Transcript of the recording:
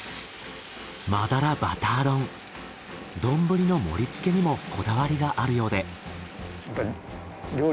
真鱈バター丼丼の盛り付けにもこだわりがあるようで。